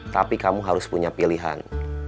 tapi kamu harus punya pilihan